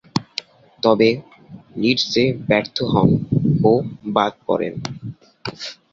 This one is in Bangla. তবে, লিডসে ব্যর্থ হন ও বাদ পড়েন।